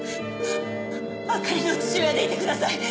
あかりの父親でいてください。